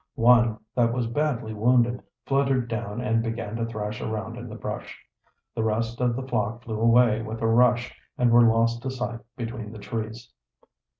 One, that was badly wounded, fluttered down and began to thrash around in the brush. The rest of the flock flew away with a rush and were lost to sight between the trees.